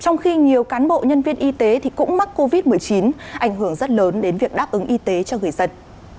trong khi nhiều cán bộ nhân viên y tế cũng mắc covid một mươi chín ảnh hưởng rất lớn đến việc đáp ứng y tế cho người dân